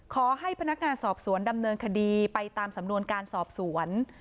ขอให้พนักงานสอบสวนดำเนินคดีไปตามสำนวนการสอบสวน